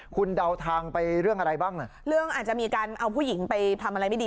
คุณเดาทางไปเรื่องอะไรบ้างน่ะเรื่องอาจจะมีการเอาผู้หญิงไปทำอะไรไม่ดี